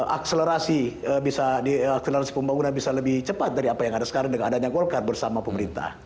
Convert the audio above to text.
akselerasi bisa di akselerasi pembangunan bisa lebih cepat dari apa yang ada sekarang dengan adanya golkar bersama pemerintah